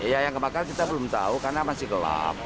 ya yang kebakaran kita belum tahu karena masih gelap